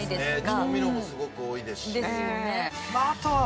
調味料もすごく多いですし。ですよね。